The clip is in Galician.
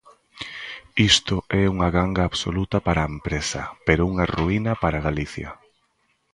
Isto é unha ganga absoluta para a empresa, pero unha ruína para Galicia.